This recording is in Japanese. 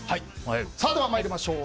では参りましょう。